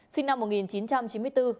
sinh năm hai nghìn một mươi chín